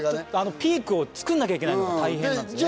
ピークをつくんなきゃいけないのが大変なんですね。